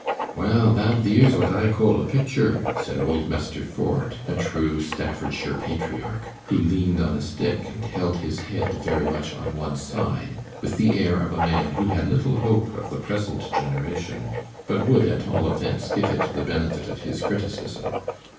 'Well, that theer's whut I coal a pictur,' said old 'Mester' Ford, a true Staffordshire patriarch, who leaned on a stick and held his head very much on one side, with the air of a man who had little hope of the present generation, but would at all events give it the benefit of his criticism.